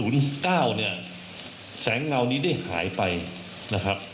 เนี่ยแสงเงานี้ได้หายไปนะครับ